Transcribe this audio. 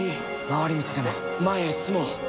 回り道でも前へ進もう。